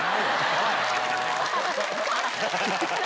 おい。